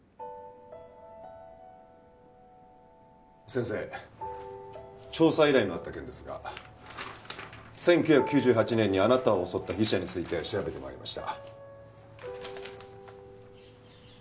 先生調査依頼のあった件ですが１９９８年にあなたを襲った被疑者について調べて参りました。